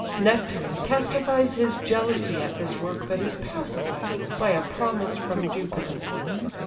Neptune testifies his jealousy at this work, but is pacified by a promise from Jupiter.